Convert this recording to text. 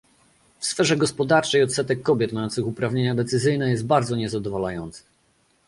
W sferze gospodarczej odsetek kobiet mających uprawnienia decyzyjne jest bardzo niezadowalający